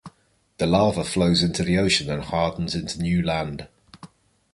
The lava flows into the ocean and hardens into new land.